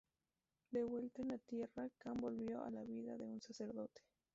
De vuelta en la Tierra, Kan volvió a la vida de un sacerdote.